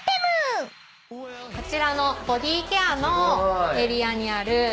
こちらのボディーケアのエリアにある。